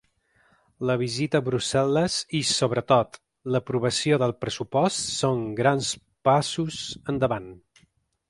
La visita a Brussel·les i, sobretot, l’aprovació del pressupost són grans passos endavant.